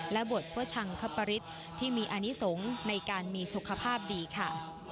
และบทพระชังคปริศที่มีอนิสงฆ์ในการมีสุขภาพดีค่ะ